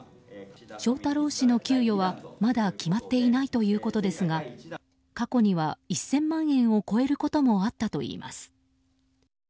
翔太郎氏の給与はまだ決まっていないということですが過去には１０００万円を超えることもあったといいます。